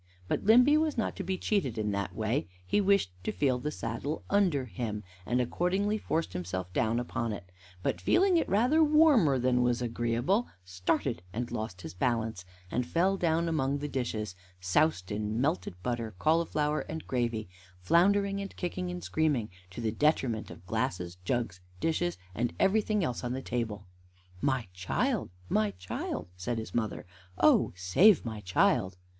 But Limby was not to be cheated in that way. He wished to feel the saddle under him, and accordingly forced himself down upon it; but feeling it rather warmer than was agreeable, started, and lost his balance, and fell down among the dishes, soused in melted butter, cauliflower, and gravy, floundering, and kicking, and screaming, to the detriment of glasses, jugs, dishes, and everything else on the table. "My child! my child!" said his mother. "Oh, save my child!"